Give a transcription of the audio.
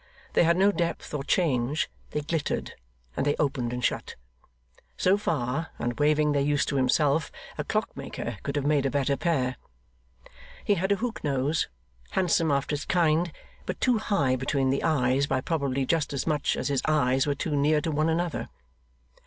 They had no depth or change; they glittered, and they opened and shut. So far, and waiving their use to himself, a clockmaker could have made a better pair. He had a hook nose, handsome after its kind, but too high between the eyes by probably just as much as his eyes were too near to one another.